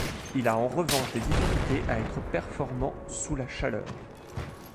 Il a en revanche des difficultés à être performant sous la chaleur.